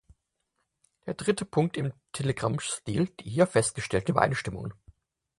Der dritte Punkt im Telegrammstil: die hier festgestellten Übereinstimmungen.